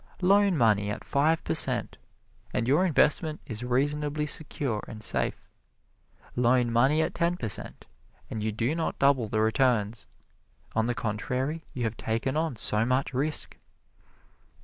Loan money at five per cent and your investment is reasonably secure and safe. Loan money at ten per cent and you do not double the returns; on the contrary, you have taken on so much risk.